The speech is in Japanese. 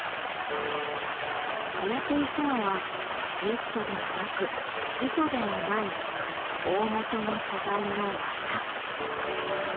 染めていくのはニットでもなく糸でもない大本の素材の綿。